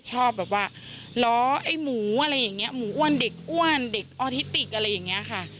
ชอบแบบว่าล้อไอ้หมูอะไรอย่างนี้หมูอ้วนเด็กอ้วนเด็กออทิติกอะไรอย่างนี้ค่ะ